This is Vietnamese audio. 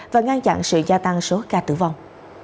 và ngăn chặn sự gia tăng số ca tử vong